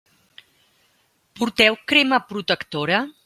Porteu crema protectora?